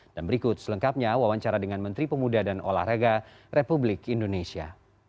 dan berikut selengkapnya wawancara dengan menteri pemuda dan olahraga republik indonesia